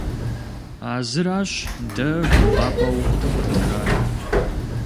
А зыращ дэ гугъапӀэу къытхуэнэжар.